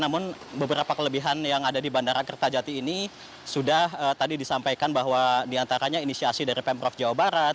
namun beberapa kelebihan yang ada di bandara kertajati ini sudah tadi disampaikan bahwa diantaranya inisiasi dari pemprov jawa barat